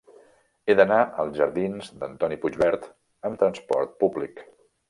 He d'anar als jardins d'Antoni Puigvert amb trasport públic.